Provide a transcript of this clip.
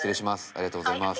ありがとうございます